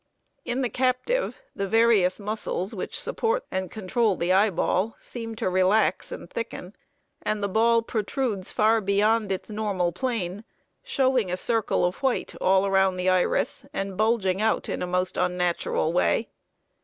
In the captive the various muscles which support and control the eyeball seem to relax and thicken, and the ball protrudes far beyond its normal plane, showing a circle of white all around the iris, and bulging out in a most unnatural way.